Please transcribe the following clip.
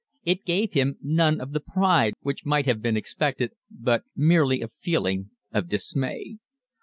It gave him none of the pride which might have been expected, but merely a feeling of dismay.